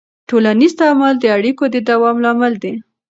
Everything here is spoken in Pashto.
ټولنیز تعامل د اړیکو د دوام لامل دی.